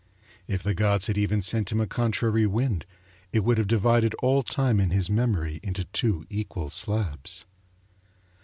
If the gods had even sent him a contrary wind it would have divided all time in his memory into two equal slabs.